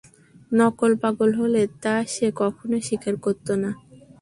নকল পাগল হলে তা সে কখনো স্বীকার করত না।